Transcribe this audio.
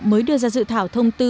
mới đưa ra dự thảo thông tư